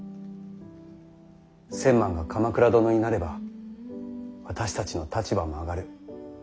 千幡が鎌倉殿になれば私たちの立場も上がる。